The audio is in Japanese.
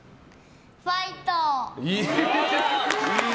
ファイトー！